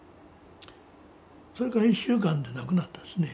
それから１週間で亡くなったですね。